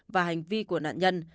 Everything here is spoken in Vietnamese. và hành vi của nạn nhân